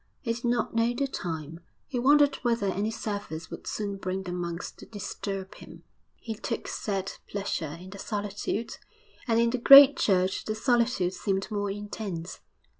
He did not know the time; he wondered whether any service would soon bring the monks to disturb him. He took sad pleasure in the solitude, and in the great church the solitude seemed more intense.